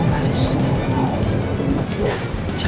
ya jatuh ya